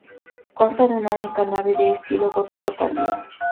Consta de una única nave de estilo gótico tardío.